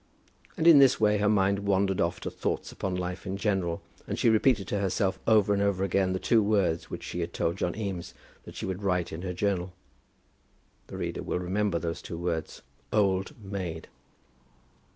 And in this way her mind wandered off to thoughts upon life in general, and she repeated to herself over and over again the two words which she had told John Eames that she would write in her journal. The reader will remember those two words; Old Maid.